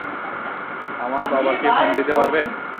আমার বাবাকে ফোন দিতে পারবেন?